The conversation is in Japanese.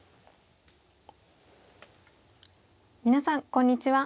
皆さんこんにちは。